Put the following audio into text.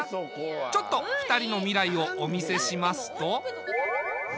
ちょっと２人の未来をお見せしますと。